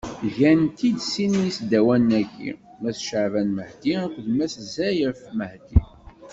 Gan-t-id sin yisdawanen-agi: Mass Caɛban Mahdi akked Mass Zayef Mahdi.